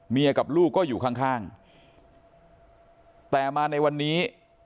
กับลูกก็อยู่ข้างข้างแต่มาในวันนี้